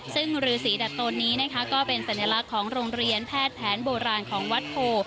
ซึ่งรือสีดัตโตนนี้นะคะก็เป็นสัญลักษณ์ของโรงเรียนแพทย์แผนโบราณของวัดโพ